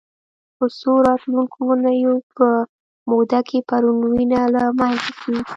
په څو راتلونکو اونیو په موده کې پرڼ وینه له منځه ځي.